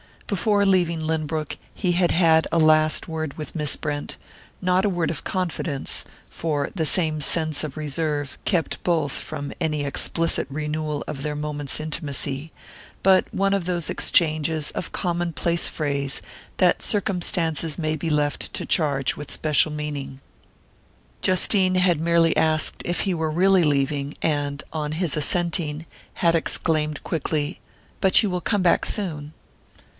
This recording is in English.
Before leaving Lynbrook he had had a last word with Miss Brent; not a word of confidence for the same sense of reserve kept both from any explicit renewal of their moment's intimacy but one of those exchanges of commonplace phrase that circumstances may be left to charge with special meaning. Justine had merely asked if he were really leaving and, on his assenting, had exclaimed quickly: "But you will come back soon?"